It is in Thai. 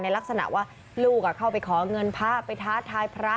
ลักษณะว่าลูกเข้าไปขอเงินพระไปท้าทายพระ